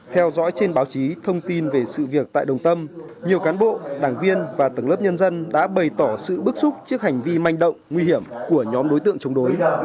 theo dõi trên báo chí thông tin về sự việc tại đồng tâm nhiều cán bộ đảng viên và tầng lớp nhân dân đã bày tỏ sự bức xúc trước hành vi manh động nguy hiểm của nhóm đối tượng chống đối